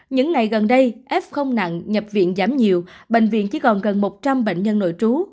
những ngày gần đây f nặng nhập viện giảm nhiều bệnh viện chỉ còn gần một trăm linh bệnh nhân nội trú